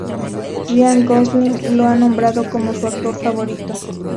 Ryan Gosling lo ha nombrado como su actor favorito.